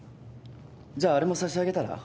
じゃああれも差し上げたら？